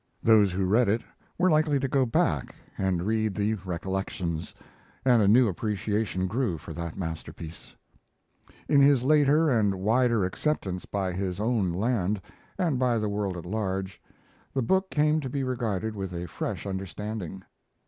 Those who read it were likely to go back and read the Recollections, and a new appreciation grew for that masterpiece. In his later and wider acceptance by his own land, and by the world at large, the book came to be regarded with a fresh understanding.